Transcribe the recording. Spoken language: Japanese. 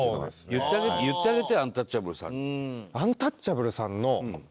言ってあげてアンタッチャブルさんに。